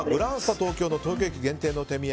東京の東京駅限定の手土産